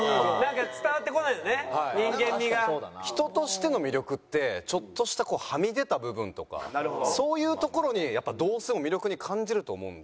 人としての魅力ってちょっとしたはみ出た部分とかそういうところにやっぱ同性も魅力に感じると思うんで。